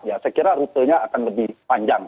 saya kira rutanya akan lebih panjang